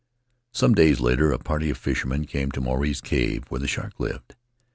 "Some days later, a party of fishermen came to Maruae's cave, where the shark lived.